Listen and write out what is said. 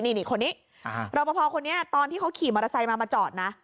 นี่คนนี้รอปภคนนี้ตอนที่เขาขี่มอเตอร์ไซค์มามาจอดนะ